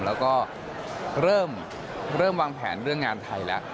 แล้วก็เริ่มวางแผนเรื่องงานไทยแล้ว